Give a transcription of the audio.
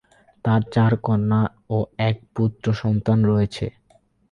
তার চার কন্যা ও এক পুত্র সন্তান রয়েছে।